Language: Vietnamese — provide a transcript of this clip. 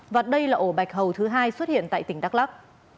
và đây là ổ bạch hầu thứ hai xuất hiện tại tỉnh đắk lắc